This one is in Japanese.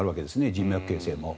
人脈形成も。